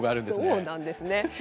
そうなんですね。